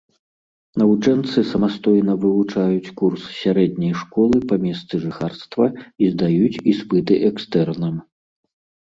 Навучэнцы самастойна вывучаюць курс сярэдняй школы па месцы жыхарства і здаюць іспыты экстэрнам.